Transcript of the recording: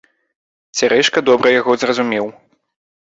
Цярэшка добра яго зразумеў.